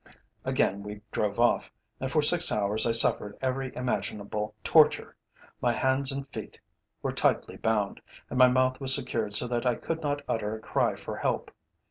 Again we drove off, and, for six hours, I suffered every imaginable torture. My hands and feet were tightly bound, and my mouth was secured so that I could not utter a cry for help.